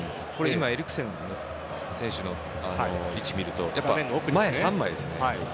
今、エリクセン選手の位置を見ると前３枚ですね。